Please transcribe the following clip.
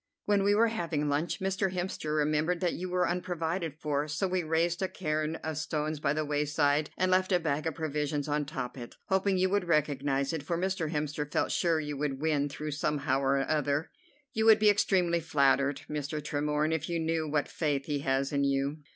"When we were having lunch Mr. Hemster remembered that you were unprovided for, so we raised a cairn of stones by the wayside and left a bag of provisions on top of it, hoping you would recognize it, for Mr. Hemster felt sure you would win through somehow or other. You would be extremely flattered, Mr. Tremorne, if you knew what faith he has in you."